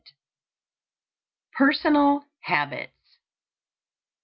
PERSONAL HABITS.